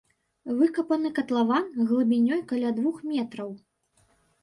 Выкапаны катлаван глыбінёй каля двух метраў.